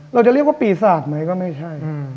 เราจะเรียกว่าปีศาจไหมก็ไม่ใช่